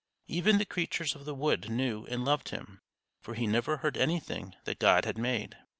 Even the creatures of the wood knew and loved him, for he never hurt anything that God had made.